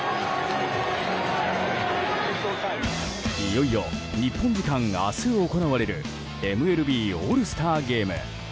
いよいよ日本時間明日行われるＭＬＢオールスターゲーム。